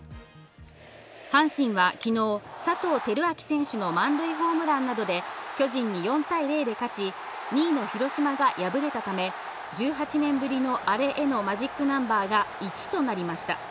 阪神はきのう、佐藤輝明選手の満塁ホームランなどで、巨人に４対０で勝ち、２位の広島が敗れたため、１８年ぶりのアレへのマジックナンバーが１となりました。